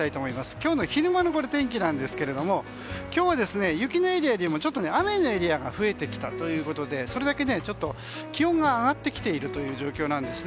今日の昼間の天気なんですが今日は雪のエリアよりも雨のエリアが増えてきたということでそれだけ気温が上がってきているという状況なんですね。